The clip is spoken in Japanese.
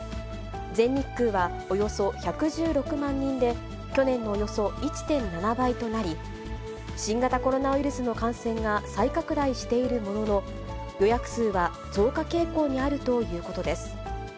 全日空はおよそ１１６万人で、去年のおよそ１．７倍となり、新型コロナウイルスの感染が再拡大しているものの、予約数は増加傾向にあるということです。